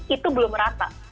itu belum rata